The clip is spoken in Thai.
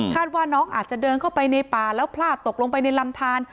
ว่าน้องอาจจะเดินเข้าไปในป่าแล้วพลาดตกลงไปในลำทาน